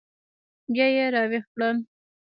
بیا یې راویښ کړل.